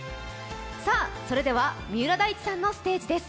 さあ、それでは三浦大知さんのステージです。